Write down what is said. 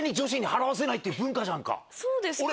そうですか？